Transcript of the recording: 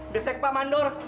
biar saya ke pak mandor